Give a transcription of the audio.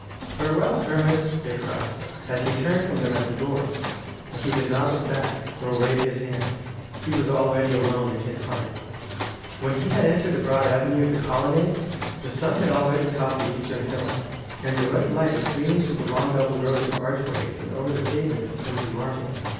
"Farewell, Hermas," they cried, as he turned from them at the door. But he did not look back, nor wave his hand. He was already alone in his heart. When he entered the broad Avenue of the Colonnades, the sun had already topped the eastern hills, and the ruddy light was streaming through the long double row of archways and over the pavements of crimson marble.